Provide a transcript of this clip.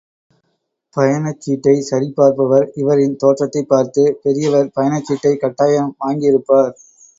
பயணச்சீட்டை சரிபார்ப்பவர் இவரின் தோற்றத்தைப் பார்த்து, பெரியவர் பயணச்சீட்டைக் கட்டாயம் வாங்கியிருப்பார்.